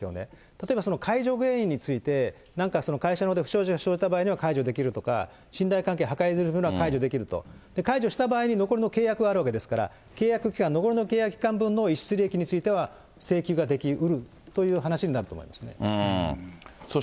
例えばその解除原因について、なんか会社のほうで不祥事が生じた場合には解除できるとか、信頼関係破壊するようなことがあれば解除できると、解除した場合に残りの契約があるわけですから、残りの契約期間、残りの契約期間分の遺失利益については請求ができうるという話になると思いますね。